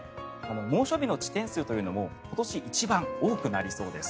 猛暑日の地点数というのも今年一番多くなりそうです。